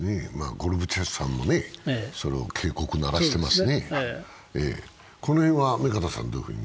ゴルバチョフさんも警告を慣らしてますね。